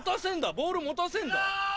ボール持たせんだ。